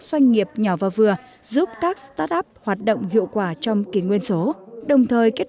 doanh nghiệp nhỏ và vừa giúp các start up hoạt động hiệu quả trong kỳ nguyên số đồng thời kết